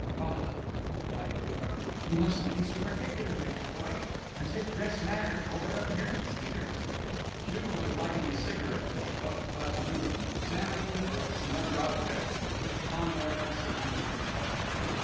"Bah!" replied Juve. "You mustn't be so particular, my dear boy as if dress mattered or appearance either!" Juve was lighting a cigarette as he walked about the room, examining the books and other objects with which Fandor had surrounded himself.